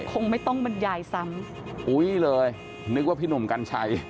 คงไม่ต้องบรรยายซ้ำอุ้ยเลยนึกว่าพี่หนุ่มกัญชัย